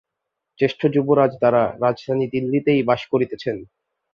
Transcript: জ্যেষ্ঠ যুবরাজ দারা রাজধানী দিল্লিতেই বাস করিতেছেন।